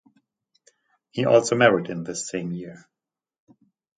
He also married in this same year.